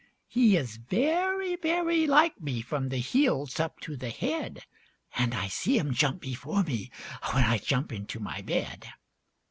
He is very, very like me from the heels up to the head; And I see him jump before me, when I jump into my bed.